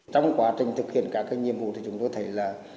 trong quá trình thực hiện các nhiệm vụ thì chúng tôi thấy là